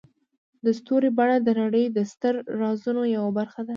د ستوري بڼه د نړۍ د ستر رازونو یوه برخه ده.